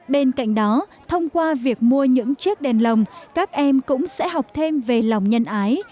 bên cạnh đó thông qua việc mua những chiếc đèn lồng các em cũng sẽ học thêm về lòng nhân ái